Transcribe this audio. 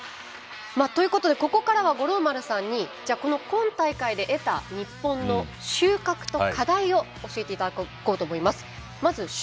ということでここからは五郎丸さんに今大会で得た日本の収穫と課題を教えていただこうと思います。